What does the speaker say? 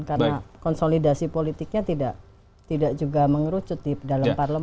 karena konsolidasi politiknya tidak juga mengerucut di dalam pemerintahan